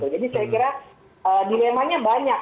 jadi saya kira dilemanya banyak